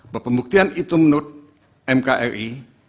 bahwa pembuktian itu menurut mki